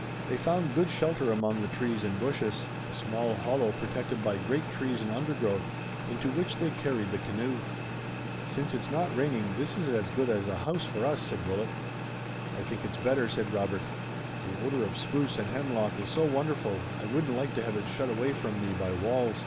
They found good shelter among the trees and bushes, a small hollow protected by great trees and undergrowth, into which they carried the canoe. "Since it's not raining this is as good as a house for us," said Willet. "I think it's better," said Robert. "The odor of spruce and hemlock is so wonderful I wouldn't like to have it shut away from me by walls."